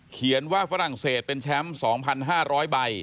เขียนว่าฝรั่งเศสเป็นแชมป์๒๕๐๐ใบ